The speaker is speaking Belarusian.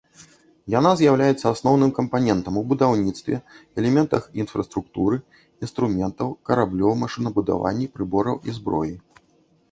Яна з'яўляецца асноўным кампанентам у будаўніцтве, элементах інфраструктуры, інструментаў, караблёў, машынабудаванні, прыбораў і зброі.